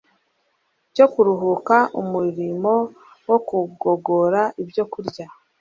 cyo kuruhuka umurimo wo kugogora ibyokurya